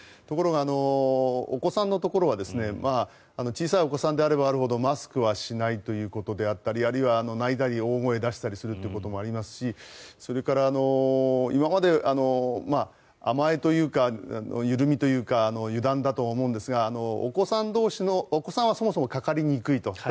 ところがお子さんのところは小さいお子さんであればあるほどマスクはしないということであったりあるいは泣いたり大声を出したりということもありますしそれから今まで甘えというか、緩みというか油断だと思うんですがお子さん同士のお子さんはそもそもかかりにくいと。